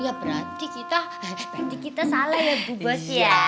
ya berarti kita berarti kita salah ya bu bos ya